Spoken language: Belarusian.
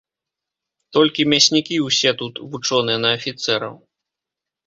Толькі мяснікі ўсе тут вучоныя на афіцэраў.